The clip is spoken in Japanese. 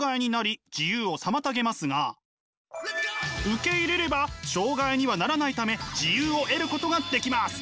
受け入れれば障害にはならないため自由を得ることができます。